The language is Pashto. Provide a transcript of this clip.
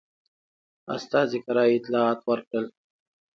استازي کره اطلاعات ورکړل.